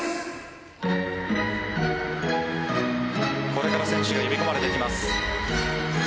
これから選手が呼び込まれていきます。